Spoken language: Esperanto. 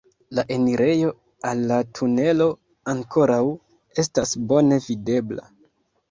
La enirejo al la tunelo ankoraŭ estas bone videbla.